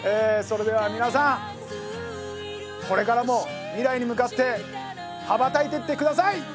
それでは皆さんこれからも未来に向かって羽ばたいてって下さい！